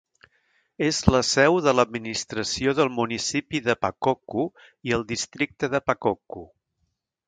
És la seu de l'administració del municipi de Pakokku i el districte Pakokku.